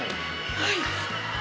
はい！